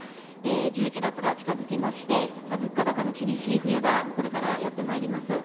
１１月が近づきまして、物価高の厳しい冬がこれからやってまいります。